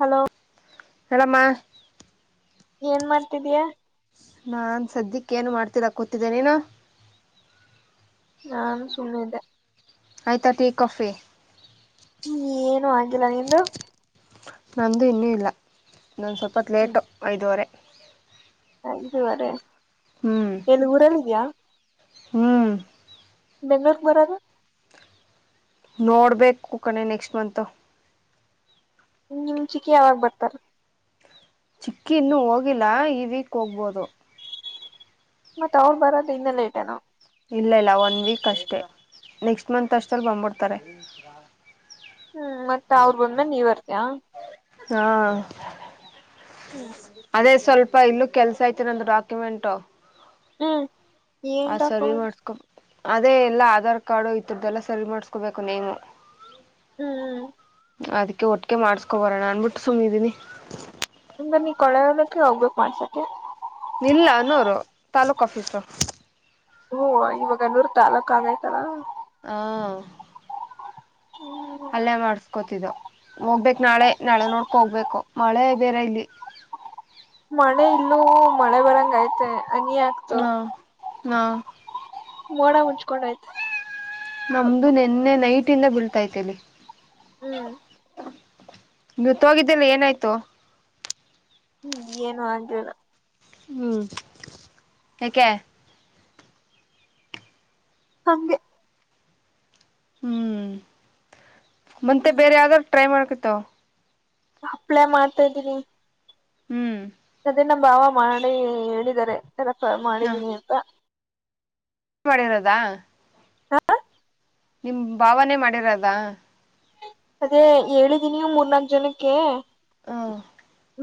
Hello ಆರಾಮಾ ಏನ್ ಮಾಡ್ತಿದಯಾ ನಾನ್ ಸದ್ಯಕ್ಕ ಏನು ಮಾಡ್ತೀರಾ ಕೂತಿದ್ದೇನ ನೀನು ನಾನು ಸುಮ್ಮದ ಆಯ್ತಟ ಕಫೆ ಹ ಏನು ಆಗಿಲ್ಲ ನಿಂದು ನನ್ನದು ಇನ್ನೂ ಇಲ್ಲ ನನ್ನ ಸ್ವಲ್ಪತ್ತು ಲೇಟು ಐದೂುವರೆ ವರ ಹ್ಮ್ ಎಲ್ಲಿ ಊರಲ್ಲ ಇದ್ಯಾಾ ಹ್ಮ್ ಬೆಂಗಳೂರಿಗೆ ಬರೋದು ನೋಡ್ಬೇಕ ಕುೂಕಣೆ ನೆಕ್ಸ್ಟ್ ಮಂತ್ ನಿಮ್ ಚಿಕ್ಕಿ ಯಾವಾಗ ಬರ್ತಾರ ಚಿಕ್ಕಿ ಇನ್ನೂ ಹೋಗಿಲ್ಲ ಈ ವೀಕ್ ಹೋಗ್ಬೋದು ಮತ್ತತ್ ಅವ್ರು ಬರೋದ ಇನ್ನು ಲೇಟೇನೋ ಇಲ್ಲ ಇಲ್ಲ ಒನ್ ವೀಕ್ ಅಷ್ಟೆ ನೆಕ್ಸ್ಟ್ ಮಂತ್ ಅಷ್ಟಲ್ಲಿ ಬಂದ್ಬಿಡ್ತಾರೆ ಹ್ಮ್ ಮತ್ ಅವ್ರ ಬಂದ್ಮೇನ್ ನೀವ್ರ್ತಿಯ ಹಾ ಹ್ಮ್ ಅದೇ ಸ್ವಲ್ಪ ಇಲ್ಲೂ ಕೆಲ್ಸ ಐತಿ ನಂದು ಡಾಕ್ಯುಮೆಂಟ್ ಹ್ಮ್ ಏಟಾಕ ಮಾಡ್ಸ್ಕೊ ಅದೇ ಎಲ್ಲಾ ಆಧಾರ್ ಕಾರ್ಡು ಈತರದ್ದಲ್ಲ ಸರಿ ಮಾಡಸ್ಕೋಬೇಕು ನೇಮು ಹ್ಮ್ ಹ್ಮ್ ಅದಕ್ಕೆ ಒಟ್ಟಿಗೆ ಮಾಡ್ಕೊಬರೋಣ ಅನ್ಟ್ಟು ಸುಮ್ಮಿದ್ದೀನಿ ಅಂದ ನೀ ಕೊಳೆಯೋದಕ್ಕೆ ಹೋಗ್ಬೇಕಕ್ ಮಾಡ್ಸಕೆ ನಿಲ್ಲ ಅನ್ನೋರು ತಾಲೂಕ್ ಆಫೀಸರು ಹ್ಮ ಇವಾಗ ಹನ್ನೂರ್ ತಾಲೂಕ್ ಆಗೈತಲಾ ಹಾ ಹ್ಮ ಅಲ್ಲೇ ಮಾಡಸ್ಕೊತಿದ್ದ ಹೋಗ್ಬೇಕಕ್ ನಾಳೆ ನಾಳೆ ನೋಡ್ಕ ಹೋಗ್ಬೇಕು ಮಳೆ ಬೇರೆ ಇಲ್ಲಿ ಮಳೆ ಇಲ್ಲೂ ಮಳೆ ಬರಂಗ ಐತೆ ಹನಿ ಆಗ್ತು ನ ಮೋಡ ಮುಂಚ್ಕೊಂಡಯ್ತು ನಮ್ದು ನಿನ್ನೆ ನೈಟಿಂದ ಬೀಳ್ತಾತಿಲ್ಲಿ ಹ್ಮ್ ನೀ ತೋಗಿದ್ದೆಲ್ಲ ಏನಾಯ್ತು ಏನು ಅಂತರ ಹ್ಮ್ ಹಕ್ಕೆ ಹಗೆ ಹ್ಮ್ ಮತ್ತೆ ಬೇರೆ ಯಾವ್ದಾರ್ ಟ್ರೈ ಮಾಡ್ಕತವ ಅಪ್ಲೈ ಮಾಡ್ತಾಇದೀನಿ ಹ್ಮ್ ಅದೇ ನಮ್ಮ ಬಾವ ಮಾಡಿ ಹೇಳಿದಿದ್ದಾರೆ ಎಲ್ಲ ಹ ಮಾಡಿದೀನಿ ಅಂತ ಮಾಡಿರೋದಾ ನಿಮ್ ಭಾವನೆ ಮಾಡಿರದ ಅದೇ ಹೇಳಿದೀನಿ ಮೂರ್ನಾಕ್ ಜನಕ್ಕೆ ಹ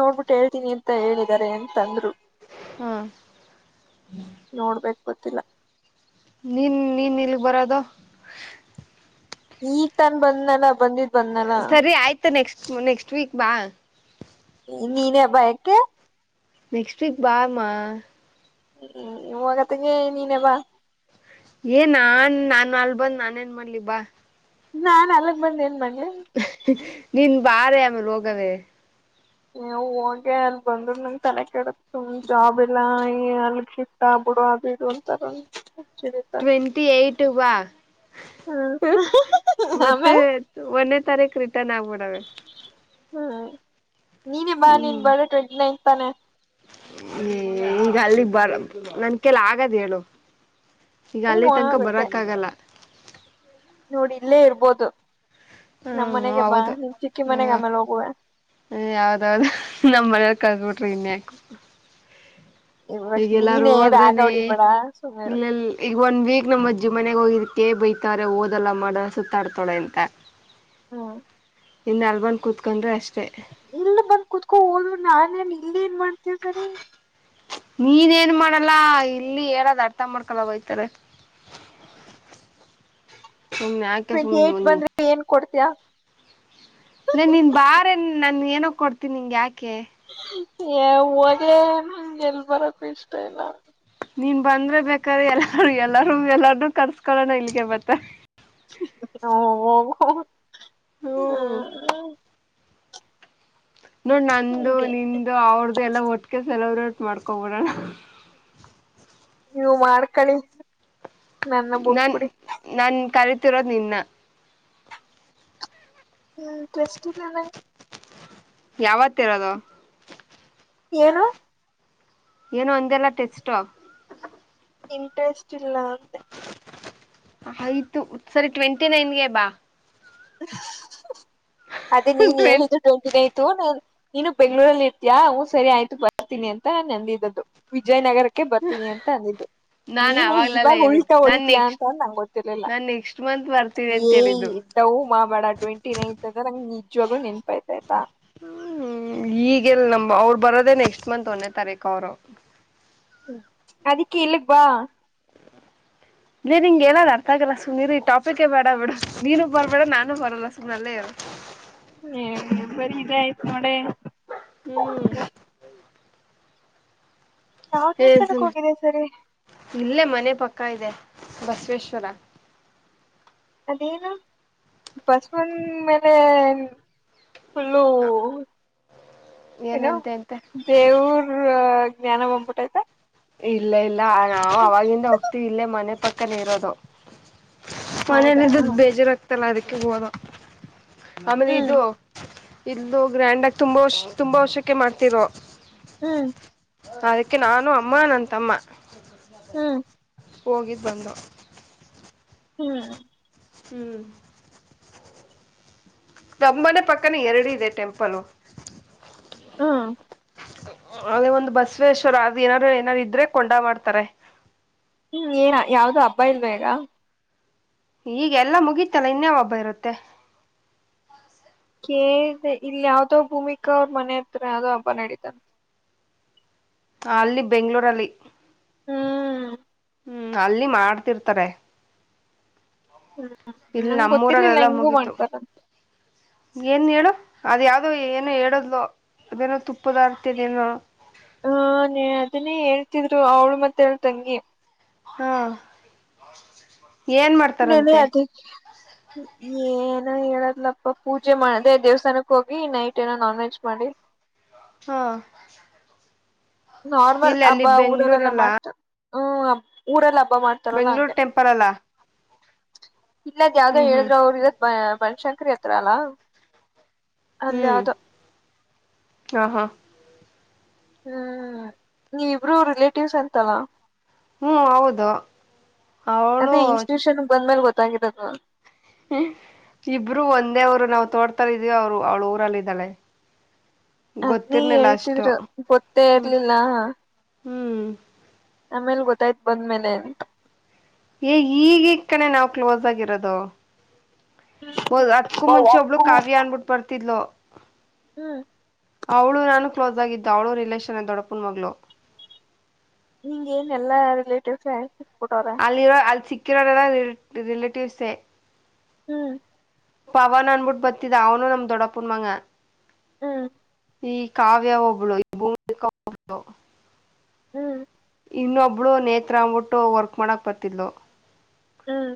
ನೋಡ್ಬಿಟ್ಟ ಕೇಳ್ತೀನಿ ಅಂತ ಹೇಳಿದಿದ್ದಾರೆ ಅಂತಂದ್ರು ಹಾ ಪತ್ತಿಲ್ಲ ನೀನ್ನ ನೀ ನಿಲ್ ಬರದು ಈ ತನ್ ಬಂದ್ನಲ ಬಂದಿದ ಬಂದ್ನಲ ಸರಿ ಆಯ್ತು ನೆಕ್ಸ್ಟ್ ವೀಕ್ ಬಾ ನೀನ ಬಾಯಕ್ಕೆ ನೆಕ್ಸ್ಟ್ ವೀಕ್ ಬಾಮಾ ಹ್ಮ ಇವಾಗತ್ತಗೆ ನೀನ್ವಾ ಬಾ ಏನ್ ನಾನ್ ನಾನು ಅಲ್ಬಂದ್ ನಾನ ಏನ್ ಮಾಡ್ಲಿ ಬಾ ನಾನ್ ಅಲ್ಲ ಬಂದ ಏನ್ ಬಂದಿ ನೀನ್ ಬಾರೆ ಆಮೇಲೆ ಹೋಗದೆ ನೀವು ಹೋಗ ಅಲ್ಲಿ ಬಂದ್ರ ನಂಗ ತಲೆ ಕೆಡತ್ ಸುಮ್ ಜಾಬ್ ಇಲ್ಲ ಅಲ್ಲಿತಾ ಬಿುಡು ಆಬಡು ಅಂತಾರ ಚಿರಿತಾರ [unintelligible] ಹ್ಮ್ ಮತ್ತೆ ಆಮೇಲೆ ಒಂದೇ ತಾರೀಕು ರಿಟರ್ನ್ ಆಗ್ಬಿಡವೆ ಹ್ಮ್ ನೀನೇ ಬಾ ನೀನ್ ಬರ ಟ್ವೆಂಟಿ ನೈನ್ತ್ ತಾನೆ ಹ್ಮ ಈಗ ಅಲ್ಲಿಗ್ ಬರ ನನ್ ಕೈಲ್ಲ ಆಗದ್ ಹೇಳು ಈಗ ಹ್ಮ್ ಅಲ್ಲಿ ತನಕ ಆಗುತ್ತೆ ಬರಕ್ ಆಗಲ್ಲ ನೋಡಿ ಇಲ್ಲೇ ಇರ್ಬೋದು ನಮ್ ಹ್ಮ್ ಮನೆಗೆ ಬಾ ನಿಮ್ ಚಿಕ್ಕಿ ಮನೆಗೆ ಆಮೇಲೆ ಹೋಗುವ ಹ ಯಾವ್ದಾವ್ದ ನಮ್ ಮನಲ್ ಕಲ್ಸಬಿಟ್ರಿ ಇನ್ಯಾಕ ಇವಾಗ ಈಗೆಲ್ಲಾರು ನೀನೇ ರಾಗ ಹೋದ್ರನೆ ಹೊಡಿಬೇಡ ಸುಮ್ನೆ ಇರು ಇಲ್ಲೆ ಈಗ ಒಂದ್ ವೀಕ್ ನಮ ಅಜ್ಜಿ ಮನೆಗ ಹೋಗಿದ್ ಕೇ ಬಯತಾರೆ ಓದಲ್ಲ ಮಾಡೋ ಸುತ್ತಾಡ್ತಾಳೆ ಅಂತಾ ಹ್ಮ ಇನ್ ಅಲ್ಬಂದ್ ಕುತ್ಕೊಂಡ್ರೆ ಅಷ್ಟೆ ಇಲ್ಲೆ ಬಂದ್ ಕುತ್ಕೊಂಡ ಹೋದ ನಾನೇನ್ ಇಲ್ಲೆ ಏನ್ ಮಾಡ್ತೇವ ಸರಿ ನೀನ್ ಏನ್ ಮಾಡಲ್ಲ ಇಲ್ಲಿ ಹೇಳದ ಅರ್ಥ ಮಾಡ್ಕೊಲ್ಲ ಬೈಯತಾರೆ ಸುಮ್ನೆ ಯಾಕೆ ಟ್ವೆಂಟಿ ಸುಮ್ನೆ ಏಟ್ ಬಂದ್ರೆ ಇಲ್ಲ ಏನ್ ಕೊಡ್ತಿಯಾ. ನ ನೀನ್ ಬಾರೇ ನ್ ನಾನ ಏನೋ ಕೊಡ್ತೀನಿ ನಿಂಗ ಯಾಕೆ ಹೋಗ ನಂಗೆ ಎಲ್ ಬರಕು ಇಷ್ಟ ಇಲ್ಲಾ ನೀನ್ ಬಂದ್ರೆ ಬೇಕಾದ್ರೆ ಎಲ್ಲಾರ ಎಲ್ಲಾರೂ ಎಲ್ಲಾರ್ನು ಕರ್ಸ್ಕೊಣ ಇಲ್ಗೆ ಬತ್ತ ಹಓ ಹ್ಮ ಹ್ಮ್ ನೋಡ್ ನಂದು, ಹಂಗೆ ನಿಂದು, ಅವಳದು ಎಲ್ಲಾ ಒಟ್ಟಗೆ ಸೆಲೆಬ್ರೇಟ್ ಮಾಡ್ಕೊಬಿಡಣ ನೀವು ಮಾಡ್ಕಳಿ ನನ್ನ ನನ್ ಬುಟ್ಬಿಡಿ ನನ್ ಕರಿತಿರೋದ್ ನಿನ್ನ ಹ್ಮ್ ಟ್ರೆಸ್ಟ್ ಇ ನಂಗೆ ಯಾವತ್ತ ಇರೋದು ಏನು ಏನೋ ಒಂದೆಲ್ಲ ಟೆಸ್ಟ ಇಂಟ್ರೆಸ್ಟ್ ಇಲ್ಲ ಅಂದೆ ಆಯ್ತು ಸರಿ ಟ್ವೆಂಟಿ ನೈನ್ಗೆ ಬಾ ಅದೇ ನೀನ್ ಟ್ವೆಂ ಹೇಳಿದು ಟ್ವೆಂಟ ನೈತ ನೀನು ಬೆಂಗಳೂರಲ್ಲಿ ಇರ್ತಿಯಾ ಹ ಸರಿ ಆಯ್ತು ಬರ್ತೀನಿ ಅಂತ ಅಂದಿದ್ದದ್ದು ವಿಜಯನಗರ ಕೆ ಬರ್ತೀವಿ ಅಂತ ಅಂದಿದ್ದು ನಾನ್ ನೀನು ಅವಾಗ್ಲೆಲ್ಲ ಇವಾಗ ಹೇಳಿದ್ ಉಲ್ಟಾ ನಾನ್ ಹೊಡಿತಯಾ ನೆಕ್ಸ್ಟ್ ಅಂತ ನಂಗಗೆ ಗೊತ್ತಿರ್ಲಿಲ್ಲ ನಾನ್ ನೆಕ್ಸ್ಟ್ ಮಂತ್ ಬರ್ತೀನಿ ಅಂತ ಏಯ್ ಹೇಳಿದ್ದು ಇದ್ದ ಡವು ಮಾಡಬೇಡ ಟ್ವೆಂಟಿ ನೈನ್ತ್ ಅಂದ್ರ ನಂಗ್ ನಿಜ್ವಾಗ್ಲೂ ನೆನ್ಪಾಯ್ತಾ ಹ್ಮ್ ಈಗೆಲ್ ನಮ ಅವರು ಬರೋದೆೇ ನೆಕ್ಸ್ಟ್ ಮಂತ್ ಒಂದೇ ತಾರೀಕು ಅವರು ಹ್ಮ ಅದಿಕ್ಕೆ ಇಲ್ಲಿ ಬಾ ಇ ನಿಂಗ್ ಏನಾದ್ ಅರ್ಥಗಲ್ಲ ಸುಮ್ನೆನಿರು ಈ ಟಾಪಿಕೇ ಬೇಡಾ ಬಿಡು ನೀರು ಬರ್ಬೇಡ ನಾನು ಬರಲ್ಲ ಸುಮನೇ ಅಲ್ಲೇ ಇರು ಬರಿ ಇದೆಯತ ನೋಡೇ ಹ್ಮ್ ಯಾವ ಏನ್ ದೇವಸ್ಥಾನಕ್ಕೆ ಸುಮ ಇರ ಹೋಗಿದೆ ಸರಿ ಇಲ್ಲೇ ಮನೆ ಪಕ್ಕ ಇದೆ ಬಸವೇಶ್ವರಾ ಅದೇನು ಬಸವನ ಮೇಲೆ ಹಲೋ ಏನು ಏನಂತೆ ಅಂತೆ ದೇವರ್ ಜ್ಞಾನ ಬಂದ್ಬಿಟ್ಟತಾ ಇಲ್ಲ ಇಲ್ಲ ನಾವು ಅವಾಗಿಂದ ಹೋಗ್ತಿವಿ ಇಲ್ಲೇ ಮನೆ ಪಕ್ಕನೆ ಇರೋದು ಮನೇಲ್ಲ ಹೌದಾ ಇದಿದ್ದ್ ಬೇಜಾರಾಗ್ತಲ್ಲ ಅದಕ್ಕೆ ಹೋದ ಆಮೇಲೆ ಹ್ಮ್ ಇದು ಇದು ಗ್ರ್ಯಾಂಡ್ ಆಗ ತುಂಬಾ ವರ್ಷ ತುಂಬಾ ವರ್ಷಕ್ಕೆ ಮಾಡ್ತಿರೋ ಹ್ಮ್ ಅದಕ್ಕೆ ನಾನು ಅಮ್ಮ ನನ್ನ ತಮ್ಮ ಹ್ಮ ಹೋಗಿದ್ದು ಬಂದು ಹ್ಮ್ ಹ್ಮ್ ನಮ್ಮ ಮನೆ ಪಕ್ಕನ ಎರಡು ಇದೆ ಟೆಂಪಲು. ಹಾ ಅದೇ ಒಂದು ಬಸವೇಶ್ವರ್ ಅದು ಏನಾರ ಏನಾರ ಇದ್ರೆ ಕೊಂಡಾ ಮಾಡ್ತಾರೆ. ಹ್ಮ್ ಏನ ಯಾವದೋ ಹಬ್ಬ ಇಲ್ವಾ ಈಗ. ಈಗೆ ಎಲ್ಲಾ ಮುಗೀತಲ್ಲ ಇನ್ನುಯವ್ ಹಬ್ಬ ಇರುತ್ತೆ ಕೇಳಿದೆ ಇಲ್ಲಿ ಯಾವ್ದೋ ಭೂಮಿಕ ಅವ್ರ ಮನೆ ಹತ್ರ ಯಾವೋ ಹಬ್ಬ ನಡೀತಾನ ಅಲ್ಲಿ ಬೆಂಗ್ಳೂರ ಅಲ್ಲಿ ಹ್ಮ್ ಹ್ಮ್ ಅಲ್ಲಿ ಮಾಡ್ತಿರ್ತಾರೆ ಹ್ಮ್ ಇಲ್ಲಿ ನಂಗ್ ಗೊತ್ತಿರ್ಲಿಲ್ಲ ನಮ್ಮೂರಲ್ಲೆಲ್ಲ ಹಿಂಗೂ ಮುಗೀತು ಮಾಡ್ತಾರಂತ ಏನ್ ಹೇಳಡ ಅದ ಯಾವವುೋ ಏನುೋ ಹೇಳಡೋದ್ಲ ಅದೇನೋ ತುಪ್ಪದ ಆರ್ತಿ ಹ ಅದನ್ನೇ ಹೇಳ್ತಿದ್ರು ಅವಳು ಮತ್ತ ಅವಳ ತಂಗಿ ಹಾ ಏನ್ ನಿಮ ಮಾಡ್ತಾರಂತೆ ಅದ [unintelligible] ಹೇಳದ್ಲಪ್ಪ ಪೂಜೆ ಮಾಡಿ ದೇವಸ್ಥಾನಕ್ಕ ಹೋಗಿ ನೈಟ್ ಏನೋ ನಾನ್ ವೆಜ್ ಮಾಡಿ ಹಾ ನಾರ್ಮಲ್ ಇಲ್ಲ ಅಲ್ಲಿ ಹಬ್ಬ ಊರಲ್ಲೆಲ್ಲ ಬೆಂಗ್ಳೂರಲ್ಲ ಮಾಡ್ತು ಹ್ಮ್ ಊರೆಲ್ಲ ಹಬ್ಬ ಮಾಡ್ತಾರಲ್ಲ ಬೆಂಗ್ಳೂರ್ ಹಂಗೆ ಟೆಂಪಲ್ ಅಲ್ಲ ಇಲ್ಲದ್ ಯಾವ್ದೋ ಹ್ಮ್ ಹ್ಮ್ ಹೇಳಿದ್ರ ಅವರು ಬನ್ಶಂಕರಿ ಹತ್ರ ಅಲ್ಲ ಅಲ್ಲಿ ಯಾವುದ ಹಾ ಹಾ ಹ್ಮ್ ನೀವಿ ಇಬ್ರು ರಿಲೇಟಿವ್ಸ್ ಅಂತಲ್ಲ ಹ್ಮ್ ಹೌದು ಅವಳು ಅದೇ ಇನ್ಸ್ಟಿಟ್ಯೂಷನ್ ಬಂದ ಮೇಲೆ ಗೊತ್ತಾಗಿರದು ಇಬ್ರು ಒಂದೇ ಊರು ನಾವವು ತೋಡ್ತಾರ ಇದೀವಿ ಅವರು ಅವ್ಳ ಊರಲ್ಲ ಇದಿದ್ದಾಳೆ ಅದ್ನೇ ಹೇಳ್ತಿದ್ರು ಗೊತ್ತೇ ಹ್ಮ್ ಇರ್ಲಿಲ್ಲ ಹ್ಮ್ ಆಮೇಲ್ ಗೊತ್ತಾಯ್ತ್ು ಬಂದ್ಮೇಲೆ ಏ ಈಗ ಕಣ ನಾವ್ ಕ್ಲೋಸ್ ಆಗಿರೋದು ಬದ್ ಅತ್ಕ್ಕೂ ಮುಂಚೆ ಒಬ್ಳು ಕಾವ್ಯ ಅನ್ಬಿಟ್ಟು ಬರ್ತಿದ್ಲು ಹ್ಮ್ ಅವಳು ನಾನು ಕ್ಲೋಸ್ ಆಗಿದ್ದ ಅವಳು ರಿಲೇಷನ್ ದೊಡಪನ ಮಗಳು ನಿಂಗ ಏನ್ ಎಲ್ಲಾ ರಿಲೇಟಿವ್ಸ್ ಸಿಕ್ಬಿಟ್ಟವ್ರ ಅಲ್ಲಿ ಇರೋ ಅಲ್ಲಿ ಸಿಕ್ಕರೋಲ್ಲ ರಿ ಲೇಟವ್ಸೇ ಹ್ಮ್ ಪವನ್ ಅನ್ಬಿಟ್ಟು ಬರ್ತಿದ ಅವನು ನಮ ದೊಡ್ಡಪ್ಪನಾ ಮಗ ಹ್ಮ ಈ ಕಾವ್ಯ ಒಬ್ಳು ಈ ಭೂಮಿಕ ಒಬ್ಬಳು ಹ್ಮ್ ಇನ್ನೊಬ್ಳು ನೇತ್ರ ಅಂದು ಬಿಟ್ಟು ವರ್ಕ್ ಮಾಡಕ್ಕೆ ಬರ್ತಿಿದ್ಲು ಹ್ಮ್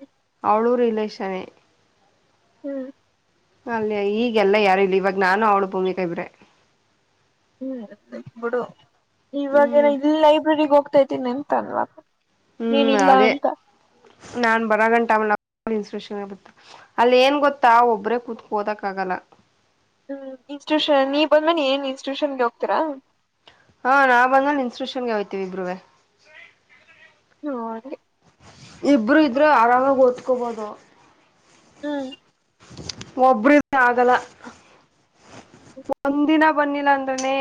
ಅವಳು ರಿಲೇಶನೇ ಹ್ಮ್ ಅಲ್ಲಿಯ ಈಗೆಲ್ಲ ಯಾರು ಇಲ್ಲಿ ಇವಾಗ ನಾನು ಅವಳ ಭೂಮಿಕಾ ಇಬ್ರೆ ಹ್ಮ್ ಬಿುಡು ಇವಾಗೇಏನ ಹ್ಮ್ ಇಲ್ಲಿ ಲೈಬ್ರಗ್ ಹೋಗ್ತಾತಿನ್ಿ ನೆನ್ಂತಲ್ವ ಹ್ಮ್ ಏನಿಲ್ಲ ಅದೇ ಅಂತ ನಾನ್ ಬರ ಗಂಟ ಅವನ ನ್ಸ್ಪಿರೇನ್ ಅಲ್ಲಿ ಏನ್ ಗೊತ್ತಾ ಒಬ್ಬ್ರೇ ಕೂತ್ಕ ಓದಕ್ ಆಗಲ್ಲ ಹ್ಮ್ ಇನ್ಸ್ಟಿಟ್ಯೂಷನ್ ನೀ ಬಂದ್ಮೇಿ ಏನ್ ಇನ್ಸ್ಟಿಟ್ಯೂಷನ್ಗೆ ಹೋಗ್ತೀರಾ ಹಾ ನಾವ ಬಂದ ಇನ್ಸ್ಟಿಟೂಷನ್ಗೆ ಹಯ್ತೀವಿ ಇಬ್ರೆ ಹ್ಮ ಇಬ್ರು ಇದ್ರರು ಆರಾಮಾಗಿ ಓದ್ಕೋಬೋದು ಹ್ಮ್ ಒಬ್ರ ಆಗಲ್ಲ ಒಂದಿನ ಬನ್ನಿಲ್ಲ ಅಂದ್ರನೆ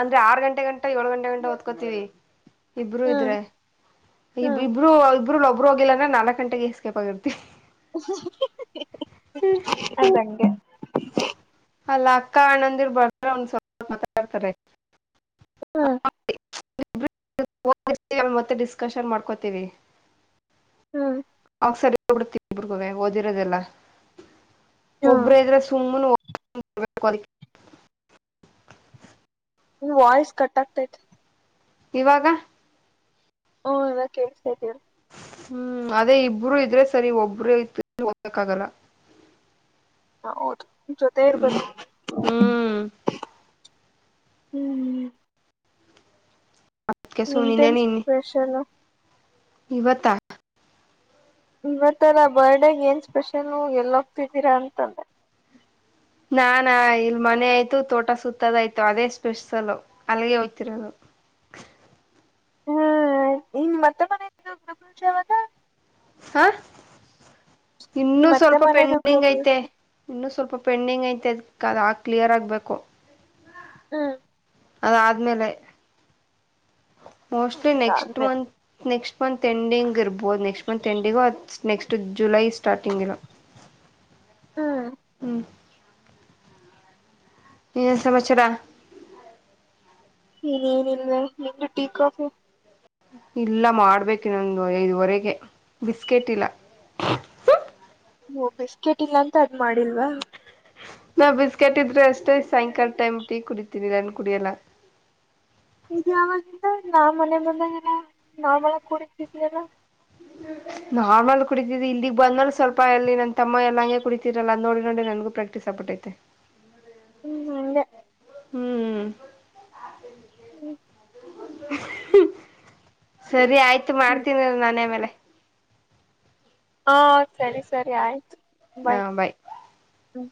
ಅಂದ್ರೆ ಆರ್ ಗಂಟೆ ಗಂಟೆ ಏಳು ಗಂಟೆ ಗಂಟೆ ಓದ್ಕೋತೀವಿ ಇಬ್ರುೂ ಹ್ಮ್ ಇದ್ರೆ ಇ ಹ್ಮ್ ಇಬರು ಇಬ್ರು ಒಬ್ರು ಹೋಗಿಲ್ಲಂದ ನಾಲ್ಕ್ ಗಂಟೆಗೆ ಎಸ್ಕೇ ಆಗಿರ್ತಿ ನ ಸಂಂಗೆ ಅಲ್ಲ ಅಕ್ಕ ಅಣ್ಣಂದಿರ್ ಬರ್ ಒ ಸ್ವಲ್ಪ ಮಾತಾಡ್ತಾರೆ ಹ್ಮ್ ಮತ್ತೆ ಡಿಸ್ಕಷನ್ ಮಾಡ್ಕೋತೀವಿ ಹ್ಮ ಓದಿರದೆಲ್ಲ ಒಬ್ರ ಇದ್ರ ಸುಮ್ಮ್ ಕದ ನೀ ವಾಯಸ್ ಕಟ್ಟಾಗತೆ ಇವಾಗ ಹ್ಮ ನಲ್ಲ ಕೇೇಳತ ಇದ್ದೀ ಹ್ಮ್ ಅದೇ ಇಬ್ರುೂ ಇದ್ರೆ ಸರಿ ಒಬ್ಬ್ರೇ ಇತ್ತು ಹೋಗ್ಾಗಲ್ಲ ಹದು ಜೊತೆರ್ ಬ ಹ್ಮ್ ಹ್ಮ್ ಅದ್ಕೆ ವಿಂಟೆನ್ಸ್ ಪ್ರಷಲ್ಲ ಇವತ್ತ ಇವತ್ತೆಲ್ಲ ಬರ್ಡೇಗ್ ಏನ್ ಸ್ಪೆಷಲ್ ಎಲ್ಲೋಗ್ತಿದ್ದೀರಾ ಅಂತಂದೆ ನಾಾನಾ ಇಲ್ ಮನೆ ಆಯ್ತು ತೋಟ ಸುತ್ತದಾಯ್ತು ಅದೇ ಸ್ಪೆಷಸಲ್ ಅಲ್ಲಿಗೆ ಹೋಗ್ತಿರೋದು ಹ್ಮ್ ಇನ್ ಮತ್ತೆ ಮನದು ಪ್ರಪುಶ ಯಾವಾಗ ಹಾ ಇನ್ನುೂ ನಿಮ್ ಅತ್ತೆ ಸ್ವಲ್ಪ ಮನೆದು ಪೆಂಡಿಂಗ್ ಗೃಹಪ್ರವೇಶ ಐತೆ ಇನ್ನು ಸ್ವಲ್ಪ ಪೆಂಡಿಂಗ್ ಐತೆ ಅದ ದ ಆ ಕ್ಲಿಯರ್ ಆಗ್ಬೇಕು ಹ್ಮ ಅದ ಆದ್ಮೇಲೆ ಮೋಸ್ಟ್ಲಿ ನೆಕ್ಸ್ಟ್ ಅದಾದ್ಮೇಲೆ ಮಂತ್ ನೆಕ್ಸ್ಟ್ ನಟ್ ಮಂತ್ ಎಂಡಿಂಗ್ ಇರ್ಬೋದು next month ending next July starting ಇಲ್ಲ ಹ್ಮ್ ಹ್ಮ್ ಏನ್ ಸಮಮಚರಾ ಇನ್ೇನಿಲ್ಲ ನಿಗೆ ಟೀ ಕಾಫಿ ಇಲ್ಲ ಮಾಡ್ಬೇಕು ಇನ್ನೊಂದು ಐದುವರೆಗೆ ಬಿಸ್ಕೆಟ್ ಇಲ್ಲ ಹ ಬಿಸ್ಕೆಟ್ ಇಲ್ಲ ಅಂತ ಅದ್ ಮಾಡಿಲ್ವಾ ನಾ ಬಿಸ್ಕೆಟ್ ಇದ್ರೆ ಅಷ್ಟೇ ಸಾಯಂಕಾಲ ಟೈಮ್ ಟೀ ಕುಡಿತೀನಿ ನನ್ ಕುಡಿಯಲ್ಲ ಇಗ ಯಾವಾಗಿಂತ ನಾ ಮನೆ ಬಂದಾಗಲ್ಲ ನಾವವು ಮಳ ಕುಡತಿದವಿ ಅಲ್ಲ ನಾರ್ಮಲ್ ಕುಡಿತಿದಿದ್ದ ಇಲ್ಲಿಗ್ ಬಂದ್ರ ಸ್ವಲ್ಪ ಎಲ್ಲಿ ನನ್ ತಮ್ಮ ಎಲ್ಲಂಗೆ ಕುಡಿತೀರಲ್ಲ ನೋಡಿ ನೋಡಿ ನ ಪ್ರಾಕ್ಟಿಸ್ ಆಗ್ಿಟ್ಟೈತೆ ಹ್ಮ್ ಅಂದ ಹ್ಮ್ ಹ್ಮ್ ಸರಿ ಆಯ್ತು ಹ್ಮ್ ಮಾಡ್ತೀನಿ ನಾನ ಮೇಲೆ ಹಾ ಸರಿ ಸರಿ ಆಯ್ತು ಹಾ ಬೈ್ ಬಾಯ್ ಹ